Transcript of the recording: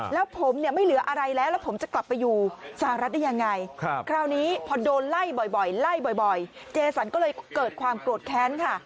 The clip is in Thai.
แล้วผมเนี่ยไม่เหลืออะไรแล้วแล้วผมจะกลับไปอยู่สหรัฐได้ยังไงคราวนี้พอโดนไล่บ่อยไล่บ่อยเจสันก็เลยเกิดความโกรธแค้นค่ะ